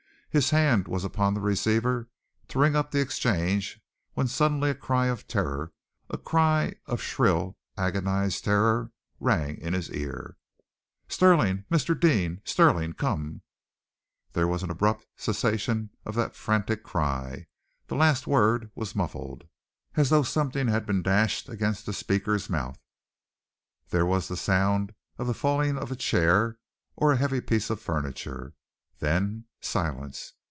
His hand was upon the receiver to ring up the Exchange when suddenly a cry of terror, a cry of shrill, agonized terror, rang in his ear. "Stirling! Mr. Deane! Stirling! Come " There was an abrupt cessation of that frantic cry. The last word was muffled, as though something had been dashed against the speaker's mouth. There was the sound of the falling of a chair or heavy piece of furniture. Then silence!